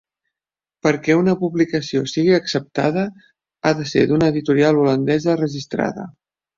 Perquè una publicació sigui acceptada, ha de ser d'una editorial holandesa registrada.